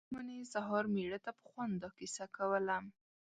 مېرمنې سهار مېړه ته په خوند دا کیسه کوله.